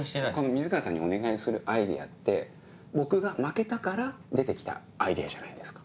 水川さんにお願いするアイデアって僕が負けたから出て来たアイデアじゃないですか。